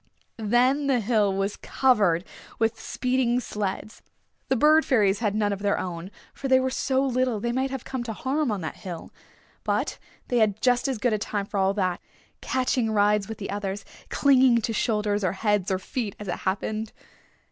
Then the hill was covered with speeding sleds. The Bird Fairies had none of their own, for they were so little they might have come to harm on that hill. But they had just as good a time for all of that, catching rides with the others, clinging to shoulders or heads or feet as it happened.